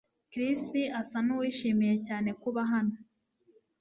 Chris asa nuwishimiye cyane kuba hano